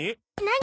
何？